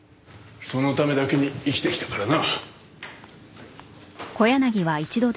そのためだけに生きてきたからな。